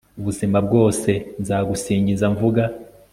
ubuzima bwose nzagusingiza mvuga